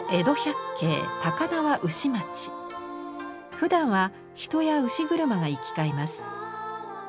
ふだんは人や牛車が行き交います。